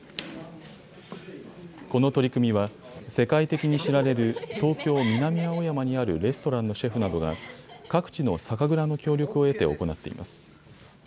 この取り組みは世界的に知られる東京南青山にあるレストランのシェフなどが各地の酒蔵の協力を得て行っています。